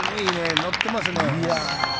乗ってますね。